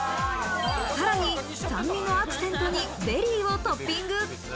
さらに酸味のアクセントにベリーをトッピング。